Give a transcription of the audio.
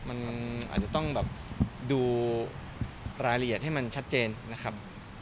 มันอาจจะต้องแบบดูรายละเอียดให้มันชัดเจนนะครับ